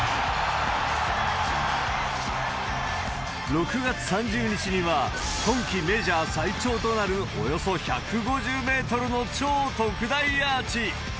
６月３０日には、今季メジャー最長となるおよそ１５０メートルの超特大アーチ。